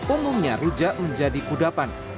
umumnya rujak menjadi kudapan